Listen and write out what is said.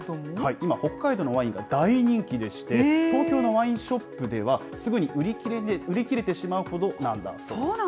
今、北海道のワインが大人気でして、東京のワインショップでは、すぐに売り切れてしまうほどなんだそうです。